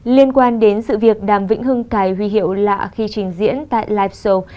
liên quan đến sự việc đàm vĩnh hưng cài huy hiệu lạ khi trình diễn tại live pow